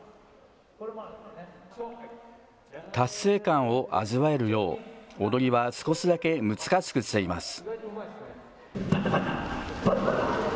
達成感を味わえるよう踊りは少しだけ難しくしています。